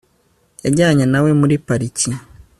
yajyanye na we muri pariki